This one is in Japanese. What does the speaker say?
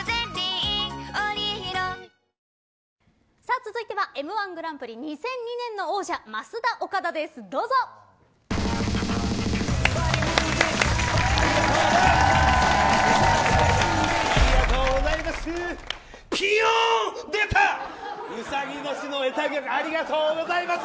続いては「Ｍ‐１グランプリ」２００２年の王者ありがとうございます！